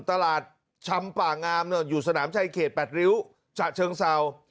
ตลาดชำป่างามอยู่สนามชายเขต๘ริ้วฉะเชิงเศร้า